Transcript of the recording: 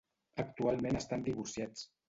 Actualment estan divorciats.